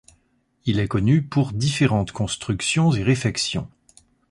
Il est connu pour différentes constructions et réfections.